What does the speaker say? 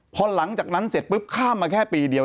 พอหลังจากนั้นเสร็จปุ๊บข้ามมาแค่ปีเดียว